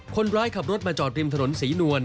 คนร้ายขับรถมาจอดริมถนนศรีนวล